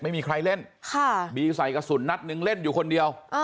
ไม่มีใครเล่นบีใส่กระสุนนัดหนึ่งเล่นอยู่คนเดียว